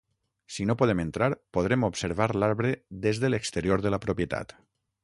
Si no podem entrar, podrem observar l'arbre des de l'exterior de la propietat.